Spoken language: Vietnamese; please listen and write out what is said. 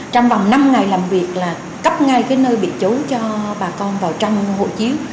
trong vòng năm ngày làm việc là cấp ngay cái nơi bị chú cho bà con vào trong hộ chiếu